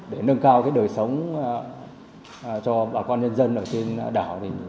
để nâng cao đời sống cho bà con nhân dân ở trên đảo